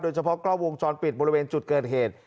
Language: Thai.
เฉพาะกล้องวงจรปิดบริเวณจุดเกิดเหตุ